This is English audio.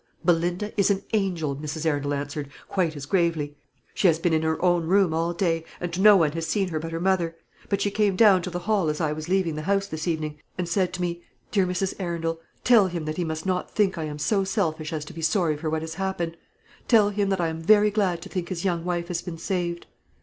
"Belinda is an angel," Mrs. Arundel answered, quite as gravely. "She has been in her own room all day, and no one has seen her but her mother; but she came down to the hall as I was leaving the house this evening, and said to me, 'Dear Mrs. Arundel, tell him that he must not think I am so selfish as to be sorry for what has happened. Tell him that I am very glad to think his young wife has been saved.'